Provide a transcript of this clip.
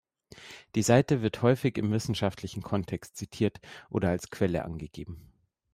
Die Seite wird häufig im wissenschaftlichen Kontext zitiert oder als Quelle angegeben.